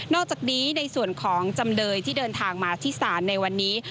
อกจากนี้ในส่วนของจำเลยที่เดินทางมาที่ศาลในวันนี้